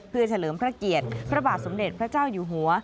เพื่อเฉลิมพระเกียรติพระบาทสมเด็จพระเจ้าอยู่หัว